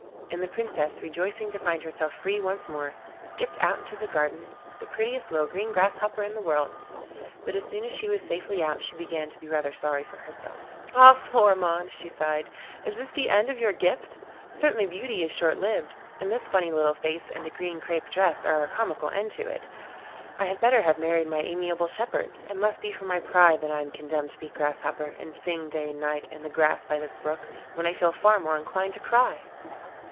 And the Princess, rejoicing to find herself free once more, skipped out into the garden, the prettiest little green Grasshopper in the world. But as soon as she was safely out she began to be rather sorry for herself. 'Ah! Florimond,' she sighed, 'is this the end of your gift? Certainly beauty is short lived, and this funny little face and a green crape dress are a comical end to it. I had better have married my amiable shepherd. It must be for my pride that I am condemned to be a Grasshopper, and sing day and night in the grass by this brook, when I feel far more inclined to cry.